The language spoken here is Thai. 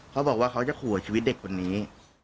เขาบอกว่าเขาจะขู่กับชีวิตเด็กคนนี้